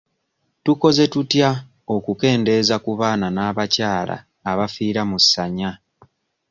Tukoze tutya okukendeeza ku baana n'abakyala abafiira mu ssanya?